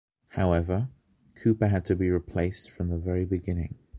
However, Cooper had to be replaced from the very beginning.